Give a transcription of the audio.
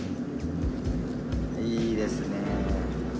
いいですね。